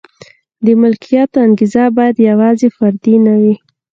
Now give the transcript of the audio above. د ملکیت انګېزه باید یوازې فردي نه وي.